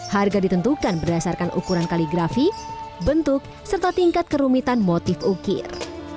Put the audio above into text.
harga ditentukan berdasarkan ukuran kaligrafi bentuk serta tingkat kerumitan motif ukir